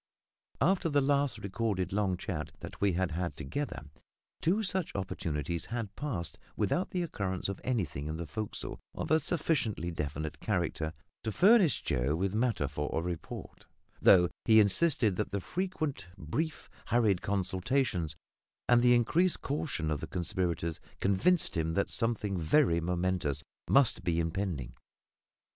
After the last recorded long chat that we had had together, two such opportunities had passed without the occurrence of anything in the forecastle of a sufficiently definite character to furnish Joe with matter for a report; though he insisted that the frequent brief, hurried consultations, and the increased caution of the conspirators, convinced him that something very momentous must be impending.